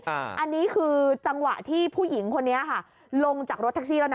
อันนี้คือจังหวะที่ผู้หญิงคนนี้ค่ะลงจากรถแท็กซี่แล้วนะ